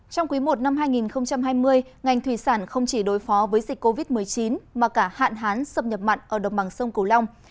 trong quý i năm hai nghìn hai mươi ngành thủy sản không chỉ đối phó với dịch covid một mươi chín mà cả hạn hán xâm nhập mặn ở đồng bằng sông cửu long